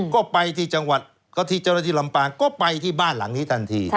ก็ไปเจ้าหน้าที่ลำปางก็ไปที่บ้านหลังที่ทันที